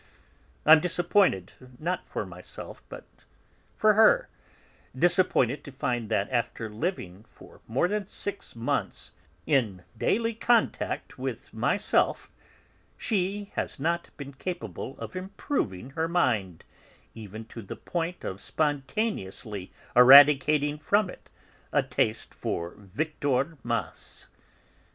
I'm disappointed; not for myself, but for her; disappointed to find that, after living for more than six months in daily contact with myself, she has not been capable of improving her mind even to the point of spontaneously eradicating from it a taste for Victor Massé!